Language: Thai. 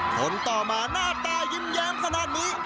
คนต่อมาหน้าตายิ้มแย้มขนาดนี้